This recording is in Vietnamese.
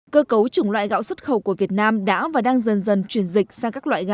cơ cấu chủng loại gạo xuất khẩu của việt nam đã và đang dần dần chuyển dịch sang các loại gạo